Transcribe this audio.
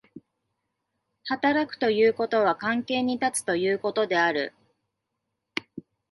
働くということは関係に立つということである。